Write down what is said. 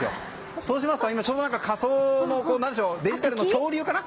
そうしますとちょうどデジタルの恐竜かな？